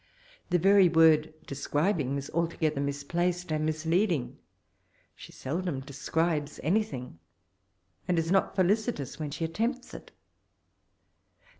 The very world ••describing" is alto gether misplaced and misleading. She seldom describes any thing, and is not felicitous when she attempts it * LocCHART : Life of <Sboti, viii 292.